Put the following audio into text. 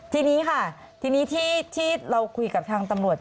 ทีนี้ค่ะทีนี้ที่เราคุยกับทางตำรวจ